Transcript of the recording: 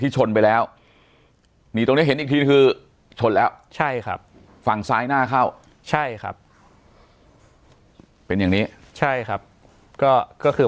ใช่ครับฝั่งซ้ายหน้าเข้าใช่ครับเป็นอย่างนี้ใช่ครับก็ก็คือ